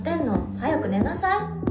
早く寝なさい。